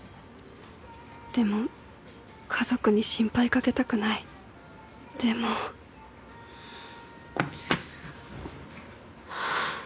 でも家族に心配かけたくないでもはぁ。